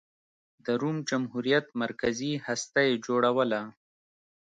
د روم جمهوریت مرکزي هسته یې جوړوله.